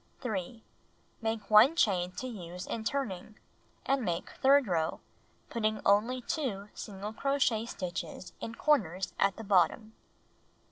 3. Make 1 chain to use in turning, and make third row, putting only 2 single crochet stitches in corners at the bottom.